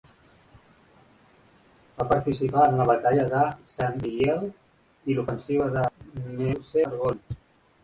Va participar en la Batalla de Saint-Mihiel i l'Ofensiva de Meuse-Argonne.